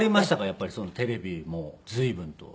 やっぱりテレビも随分と。